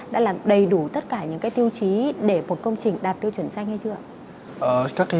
đã đầy đủ tất cả những tiêu chí để một công trình đạt tiêu chuẩn xanh hay chưa